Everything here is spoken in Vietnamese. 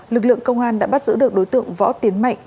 lực lượng công an đã bắt giữ được đối tượng võ tiến mạnh